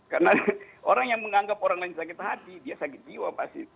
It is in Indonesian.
karena orang yang menganggap orang lain sakit hati dia sakit jiwa pasti